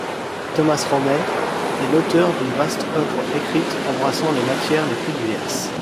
Tomás Romay est l’auteur d’une vaste œuvre écrite embrassant les matières les plus diverses.